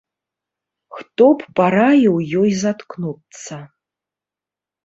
Хто б параіў ёй заткнуцца?